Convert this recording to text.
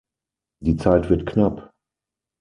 Die Zeit wird knapp.